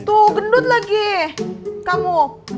tuh gendut lagi kamu